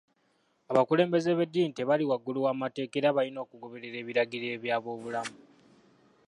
Abakulembeze b'eddiini tebali waggulu w'amateeka era balina okugoberera ebiragiro eby'abobulamu